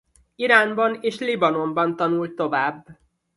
Iránban és Libanonban tanult tovább.